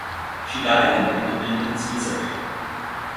She died in Independence, Missouri.